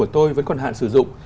tôi vẫn còn hạn sử dụng